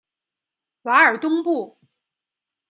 瓦尔东布。